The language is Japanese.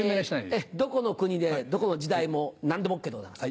ええどこの国でどこの時代も何でもＯＫでございます。